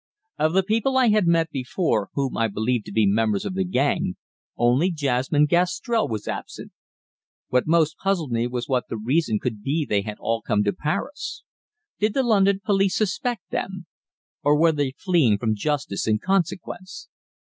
Of the people I had met before, whom I believed to be members of the gang, only Jasmine Gastrell was absent. What most puzzled me was what the reason could be they had all come to Paris. Did the London police suspect them, and were they fleeing from justice in consequence?